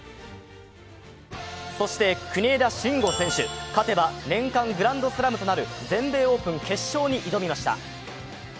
そして国枝慎吾選手、勝てば年間グランドスラムとなる全米オープン決勝に挑みました。